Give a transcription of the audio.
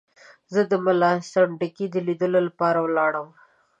زه د ملا سنډکي د لیدلو لپاره ولاړم.